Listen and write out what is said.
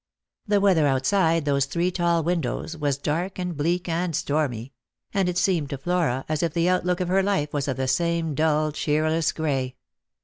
The weather outside those three tall windows was dark and bleak and stormy ; and it seemed to Flora as if the outlook of her life was of the same dull cheerless gray.